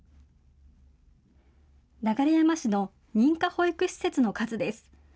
流山市の認可保育施設の数です。